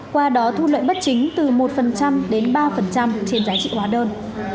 qua đó thu lợi bất chính từ một đến ba trên giá trị hóa đơn